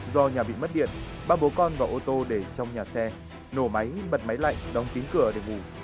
do nhà bị mất điện ba bố con vào ô tô để trong nhà xe nổ máy bật máy lạnh đóng kín cửa để ngủ